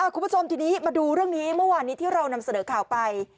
คุณผู้ชมทีนี้มาดูเรื่องนี้เมื่อวานนี้ที่เรานำเสนอข่าวไป